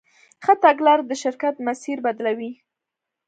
ښه تګلاره د شرکت مسیر بدلوي.